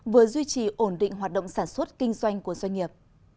vừa duy trì ổn định hoạt động sản xuất kinh doanh của doanh nghiệp